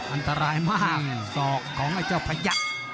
อันตรายมากศอกของไอ้เจ้าพยักษ์